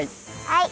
はい！